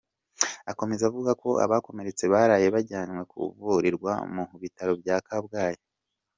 Akomeza avuga ko abakomeretse baraye bajyanywe kuvurirwa mu bitaro bya Kabgayi.